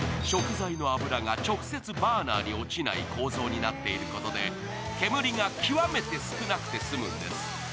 食材の脂が直接バーナーに落ちない構造になっているため煙が極めて少なくて済むんです。